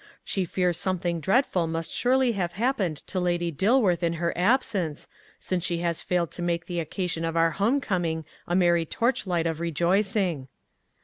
She fears something dreadful must surely have happened Lady Dilworth in her absence, since she has failed to make the occasion of our home coming a merry torchlight of rejoicing."